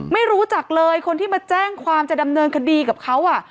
ไม่รู้จักเลยคนที่มาแจ้งความจะดำเนินคดีกับเขา